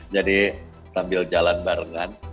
jadi sambil jalan barengan